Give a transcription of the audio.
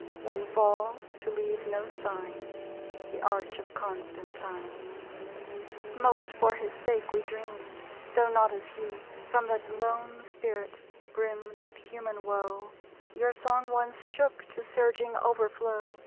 When falls, to leave no sign, The arch of Constantine. Most for his sake we dreamed. Tho' not as he, From that lone spirit, brimmed with human woe, Your song once shook to surging overflow.